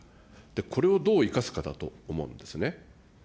これをどう生かすかだと思うんですね。